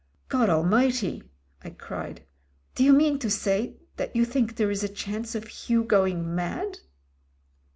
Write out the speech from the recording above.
"God Almighty !" I cried, "do you mean to say that you think there is a chance of Hugh going mad